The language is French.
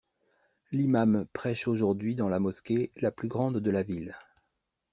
L'imam prêche aujourd'hui dans la mosquée la plus grande de la ville.